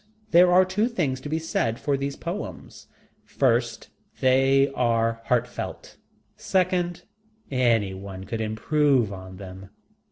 There are two things to be said for those poems. First, they were heartfelt. Second, any one could improve on them.